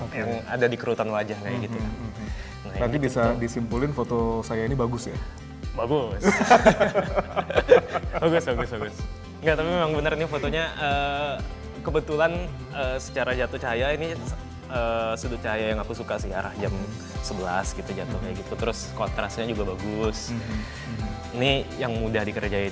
perubahan ini membuat gambar dengan kualitas terbaik yang lebih mudah dikerjakan